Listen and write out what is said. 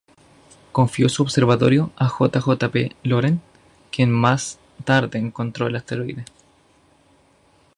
Confió su observatorio a J. J. P. Laurent, quien más tarde encontró el asteroide.